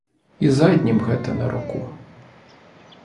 І заднім гэта наруку.